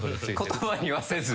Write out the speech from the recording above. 言葉にはせず。